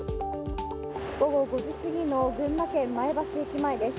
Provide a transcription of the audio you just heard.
午後５時すぎの群馬県前橋駅前です。